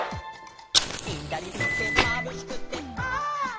「ひだりみてまぶしくてはっ」